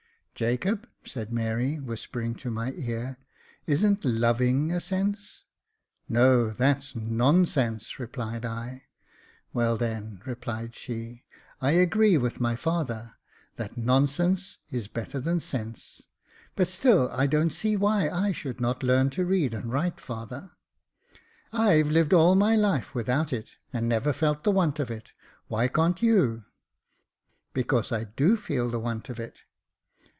"Jacob," said Mary, whispering to my ear, "isn't loving a sense .''" "No, that's nonsense," replied I. "Well, then," replied she, "I agree with my father, that nonsense is better than sense j but still I don't see why I should not learn to read and write, father." " I've lived all my life without it, and never felt the want of it — why can't you .''"" Because I do feel the want of it."